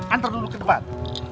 antar dulu ke depan